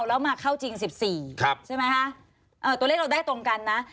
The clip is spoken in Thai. แล้วมาเข้าจริงสิบสี่ครับใช่ไหมฮะเอ่อตัวเลขเราได้ตรงกันน่ะ